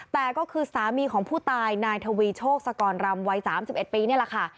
แต่ก็คือสามีของผู้ตายนายทวีโชคสกรรำวัย๓๑ปีนี่แหละค่ะ